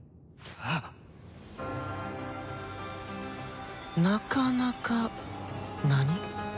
ハッ⁉なかなか？何？